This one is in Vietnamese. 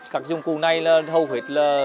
các dụng cụ này là hầu hết là